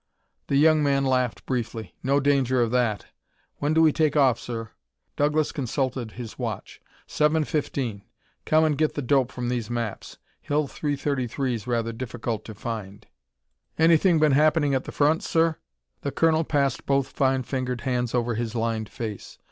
The young man laughed briefly. "No danger of that. When do we take off, sir?" Douglas consulted his watch. "Seven fifteen. Come and get the dope from these maps. Hill 333's rather difficult to find." "Anything been happening at the front, sir?" The colonel passed both fine fingered hands over his lined face.